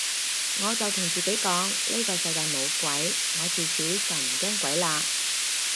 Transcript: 我就同自己講呢個世界冇鬼，我自此就唔驚鬼嘞